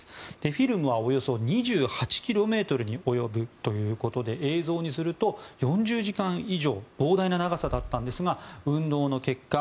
フィルムはおよそ２８ｋｍに及ぶということで映像にすると４０時間以上と膨大な長さでしたが運動の結果